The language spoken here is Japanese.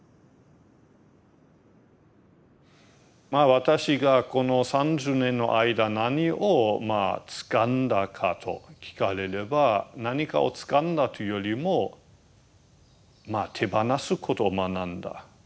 私がこの３０年の間何をつかんだかと聞かれれば何かをつかんだというよりも手放すことを学んだ。